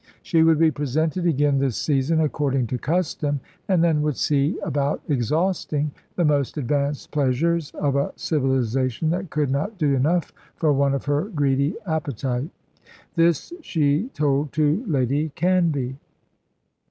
She would be presented again this season according to custom, and then would see about exhausting the most advanced pleasures of a civilisation that could not do enough for one of her greedy appetite. This she told to Lady Canvey.